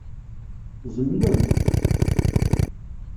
Zemlent?